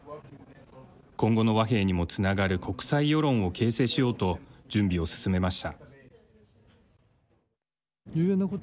今後の和平にもつながる国際世論を形成しようと準備を進めました。